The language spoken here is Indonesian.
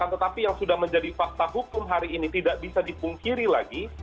tetapi yang sudah menjadi fakta hukum hari ini tidak bisa dipungkiri lagi